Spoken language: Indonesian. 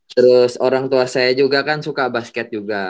terus orang tua saya juga kan suka basket juga